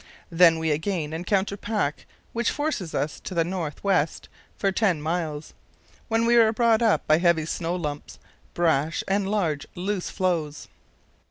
Then we again encounter pack which forces us to the north west for 10 miles, when we are brought up by heavy snow lumps, brash, and large, loose floes.